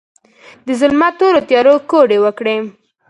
د ظلمت تورو تیارو، کوډې وکړې